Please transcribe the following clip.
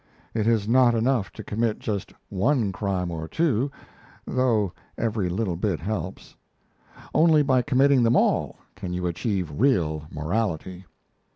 It is not enough to commit just one crime or two though every little bit helps. Only by committing them all can you achieve real morality!